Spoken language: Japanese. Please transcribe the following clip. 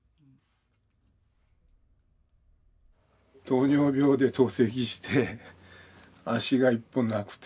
糖尿病で透析して足が１本なくて。